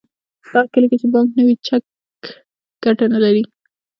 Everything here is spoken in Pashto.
په هغه کلي کې چې بانک نه وي چک ګټه نلري